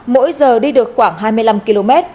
mỗi giờ đi được khoảng hai mươi năm km